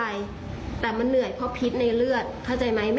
คุณผู้ชมค่ะแล้วเดี๋ยวมาเล่ารายละเอียดเพิ่มให้ฟังค่ะ